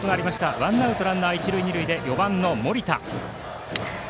ワンアウトランナー、一塁二塁で４番の森田。